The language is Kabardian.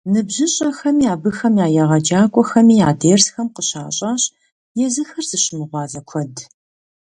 НыбжьыщӀэхэми абыхэм я егъэджакӀуэхэми а дерсхэм къыщащӀащ езыхэр зыщымыгъуазэ куэд.